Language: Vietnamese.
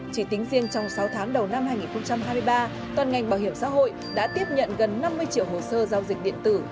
chỉ tính riêng trong sáu tháng đầu năm hai nghìn hai mươi ba toàn ngành bảo hiểm xã hội đã tiếp nhận gần năm mươi triệu hồ sơ giao dịch điện tử